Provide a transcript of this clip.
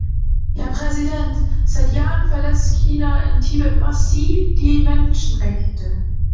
Herr Präsident! Seit Jahren verletzt China in Tibet massiv die Menschenrechte.